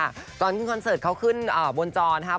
ค่ะตอนคุณคอนเสิร์ตเขาขึ้นบนจรครับ